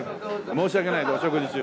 申し訳ないお食事中。